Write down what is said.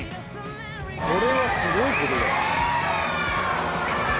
これはすごいことだよ。